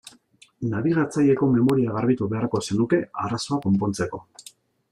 Nabigatzaileko memoria garbitu beharko zenuke arazoa konpontzeko.